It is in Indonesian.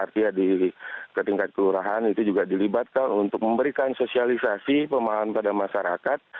artinya di ketingkat keurahan itu juga dilibatkan untuk memberikan sosialisasi pemahan pada masyarakat